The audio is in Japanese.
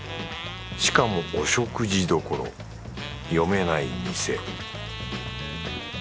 しかもお食事処読めない店